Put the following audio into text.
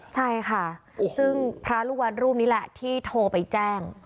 ใช่ค่ะซึ่งพระลูกวัดรูปนี้แหละที่โทรไปแจ้ง